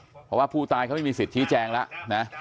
เพราะว่าผู้ตายเขาไม่มีสิทธิแจงแล้วนะ